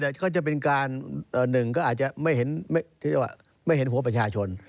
แต่ก็จะเป็นการหนึ่งก็อาจจะไม่เห็นหัวประชาชน